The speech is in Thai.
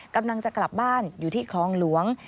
กำลังจะกลับบ้านอยู่ที่คลองหลวง